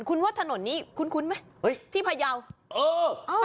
คุณว่าถนนนี้คุ้นไหมที่พยาว